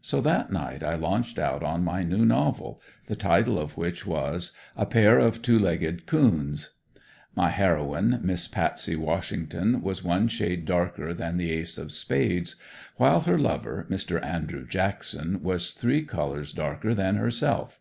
So that night I launched out on my new novel, the title of which was, "A pair of two legged coons." My heroine, Miss Patsy Washington was one shade darker than the ace of spades, while her lover, Mr. Andrew Jackson, was three colors darker than herself.